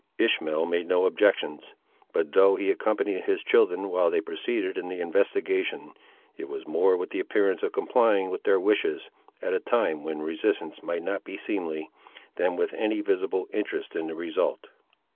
Ishmael made no objections; but, though he accompanied his children while they proceeded in the investigation, it was more with the appearance of complying with their wishes, at a time when resistance might not be seemly, than with any visible interest in the result.